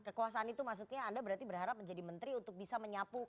kekuasaan itu maksudnya anda berarti berharap menjadi menteri untuk bisa menyapu